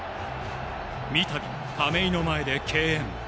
三度、亀井の前で敬遠。